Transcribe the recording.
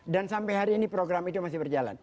dan sampai hari ini program itu masih berjalan